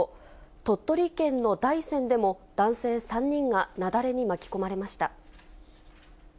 鳥取県の大山でも、男性３人が雪崩に巻き込まれました。